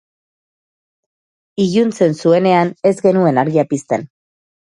Iluntzen zuenean ez genuen argia pizten.